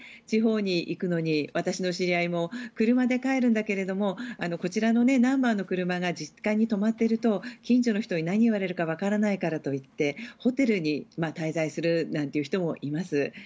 地方に行くのに私の知り合いも車で帰るんだけどこちらのナンバーの車が実家に止まっていると近所の人に何を言われるかわからないからと言ってホテルに滞在するなんて人もいます。